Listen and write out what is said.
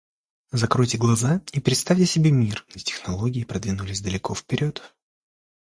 Закройте глаза и представьте себе мир, где технологии продвинулись далеко вперед.